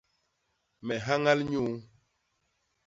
Me nhañal nyuu.